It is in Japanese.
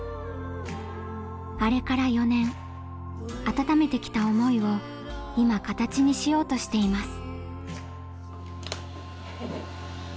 温めてきた思いを今形にしようとしています。